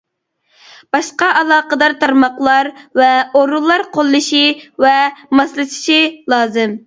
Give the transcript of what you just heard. باشقا ئالاقىدار تارماقلار ۋە ئورۇنلار قوللىشى ۋە ماسلىشىشى لازىم.